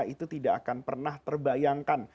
itu tidak akan pernah terbayangkan